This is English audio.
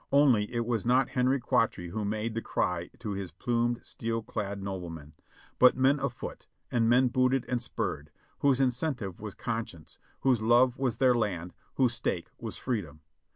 only it was not Henry Quatre who made the cry to his plumed, steel clad noble men; but men afoot, and men booted and spurred, whose incen tive was conscience, whose love was their land, whose stake was freedom.